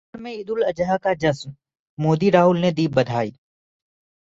देशभर में ईद-उल-अजहा का जश्न, मोदी-राहुल ने दी बधाई